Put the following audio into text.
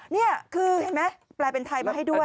นี่คือเห็นไหมแปลเป็นไทยมาให้ด้วย